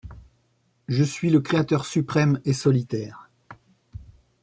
Je suis le créateur suprême et solitaire